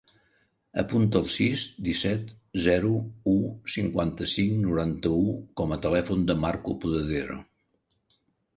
Apunta el sis, disset, zero, u, cinquanta-cinc, noranta-u com a telèfon del Marco Podadera.